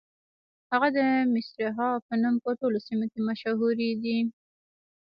هغه د مصرعها په نوم په ټولو سیمو کې مشهورې دي.